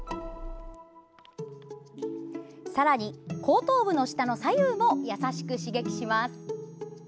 更に後頭部の下の左右も優しく刺激します。